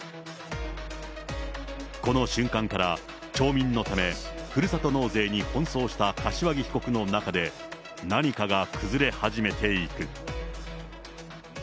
この瞬間から町民のため、ふるさと納税に奔走した柏木被告の中で、何かが崩れ始めていく。